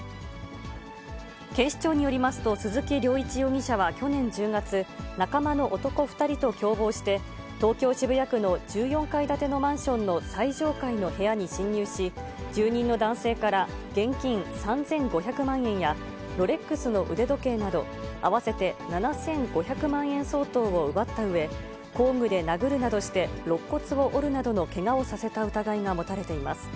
警視庁によりますと、鈴木涼一容疑者は去年１０月、仲間の男２人と共謀して、東京・渋谷区の１４階建てのマンションの最上階の部屋に侵入し、住人の男性から現金３５００万円や、ロレックスの腕時計など合わせて７５００万円相当を奪ったうえ、工具で殴るなどしてろっ骨を折るなどのけがをさせた疑いが持たれています。